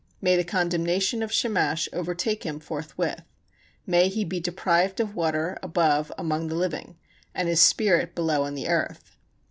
May the condemnation of Shamash overtake him forthwith; may he be deprived of water above among the living, and his spirit below in the earth.